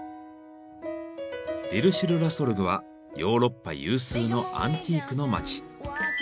リル・シュル・ラ・ソルグはヨーロッパ有数のアンティークの街。